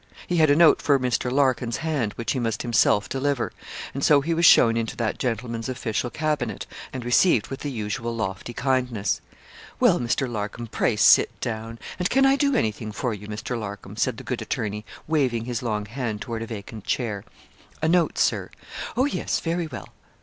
He had a note for Mr. Larkin's hand, which he must himself deliver; and so he was shown into that gentleman's official cabinet, and received with the usual lofty kindness. 'Well, Mr. Larcom, pray sit down. And can I do anything for you, Mr. Larcom?' said the good attorney, waving his long hand toward a vacant chair. 'A note, Sir.' 'Oh, yes; very well.'